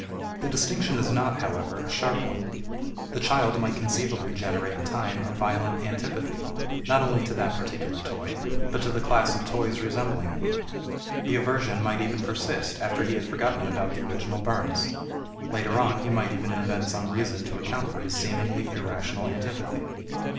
The distinction is not, however, a sharp one. The child might conceivably generate in time a violent antipathy, not only to that particular toy, but to the class of toys resembling it. The aversion might even persist after he had forgotten about the original burns; later on he might even invent some reason to account for his seemingly irrational antipathy.